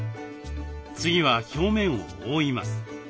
次は表面を覆います。